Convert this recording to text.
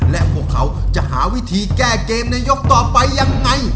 และพวกเขาจะหาวิธีแก้เกมในยกต่อไปยังไง